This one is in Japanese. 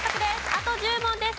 あと１０問です。